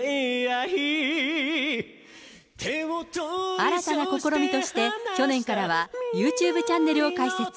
新たな試みとして、去年からはユーチューブチャンネルを開設。